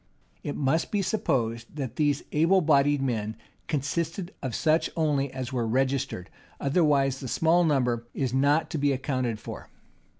It must be supposed that these able bodied men consisted of such only as were registered, otherwise the small number is not to be accounted for.